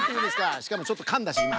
しかもちょっとかんだしいま。